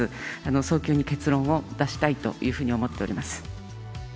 早急に結論を出したいというふうに思っております。